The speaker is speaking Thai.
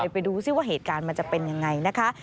ไปดูซิว่าเหตุการณ์มันจะเป็นยังไงนะคะ